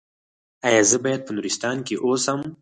ایا زه باید په نورستان کې اوسم؟